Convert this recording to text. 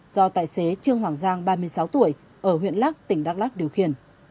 do tài xế trương hoàng giang ba mươi sáu tuổi ở huyện lắc tỉnh đắk lắc điều khiển